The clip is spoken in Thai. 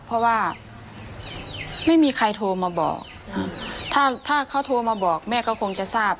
เพราะว่าไม่มีใครโทรมาบอกถ้าถ้าเขาโทรมาบอกแม่ก็คงจะทราบ